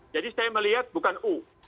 saya melihat bukan u